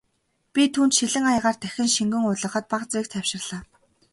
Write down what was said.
Би түүнд шилэн аягаар дахин шингэн уулгахад бага зэрэг тайвширлаа.